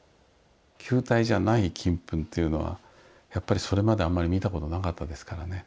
球体じゃない金粉というのはやっぱりそれまであんまり見たことなかったですからね。